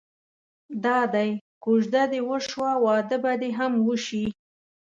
دادی کوژده دې وشوه واده به دې هم وشي.